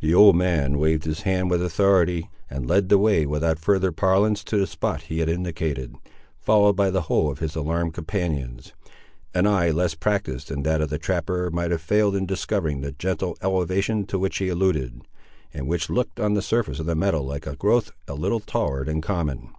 The old man waved his hand with authority, and led the way without further parlance to the spot he had indicated, followed by the whole of his alarmed companions. An eye less practised than that of the trapper might have failed in discovering the gentle elevation to which he alluded, and which looked on the surface of the meadow like a growth a little taller than common.